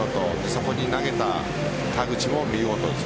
そこに投げた田口も見事です。